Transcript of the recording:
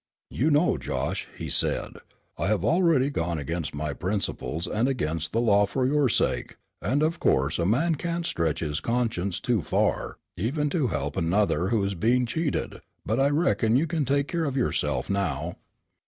"You know, Josh," he said, "I have already gone against my principles and against the law for your sake, and of course a man can't stretch his conscience too far, even to help another who's being cheated; but I reckon you can take care of yourself now."